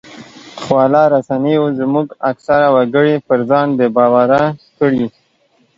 خواله رسنیو زموږ اکثره وګړي پر ځان بې باوره کړي